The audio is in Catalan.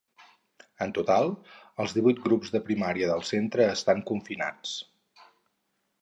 En total, els divuit grups de primària del centre estan confinats.